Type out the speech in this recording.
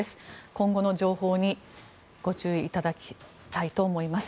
今後の情報にご注意いただきたいと思います。